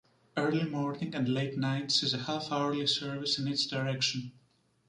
Early morning and late night sees a half-hourly service in each direction.